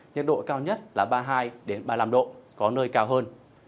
nhiệt độ cao nhất là ba mươi hai ba mươi năm độ có nơi cao hơn